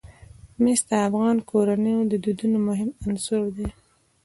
مس د افغان کورنیو د دودونو مهم عنصر دی.